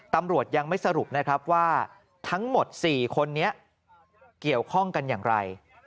ตำรวจยังไม่สรุปนะครับว่าทั้งหมด๔คนนี้เกี่ยวข้องกันอย่างไร